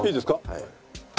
はい。